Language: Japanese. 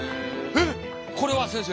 えっこれは先生。